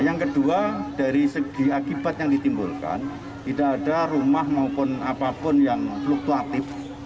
yang kedua dari segi akibat yang ditimbulkan tidak ada rumah maupun apapun yang fluktuatif